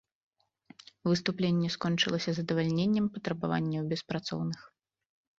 Выступленне скончылася задавальненнем патрабаванняў беспрацоўных.